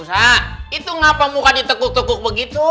ustaz ustaz itu kenapa muka ditekuk tekuk begitu